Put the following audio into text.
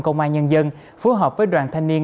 công an nhân dân phối hợp với đoàn thanh niên